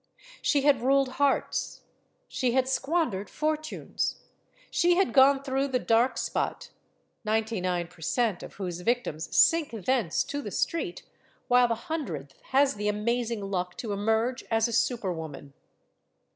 She had ruled hearts; she had squandered for tunes; she had gone through the "dark spot," (ninety nine per cent of whose victims sink thence to the street, while the hundredth has the amazing luck to emerge as a Super Woman.